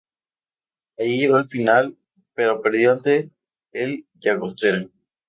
Allí llegó hasta la final, pero perdió ante el Llagostera.